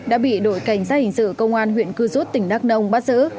đã bị đội cảnh sát hình sự công an huyện cư rốt tỉnh đắk đông bắt giữ